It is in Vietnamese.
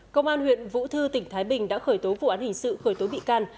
công an huyện vũ thư tỉnh thái bình đã khởi tố vụ án hình sự khởi tố bị can